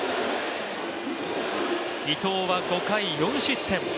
伊藤は５回４失点。